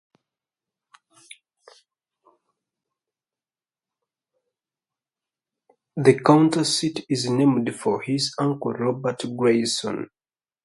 The county seat is named for his uncle, Robert Grayson.